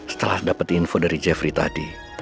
setelah dapet info dari jeffrey tadi